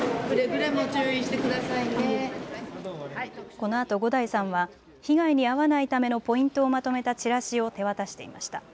このあと伍代さんは被害に遭わないためのポイントをまとめたチラシを手渡していました。